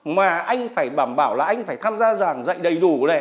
mà anh phải bảm bảo là anh phải tham gia giảng dạy đầy đủ